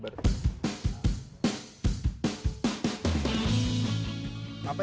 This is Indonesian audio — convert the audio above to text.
gara gara uang gitu